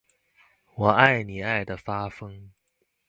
我爱你爱的发疯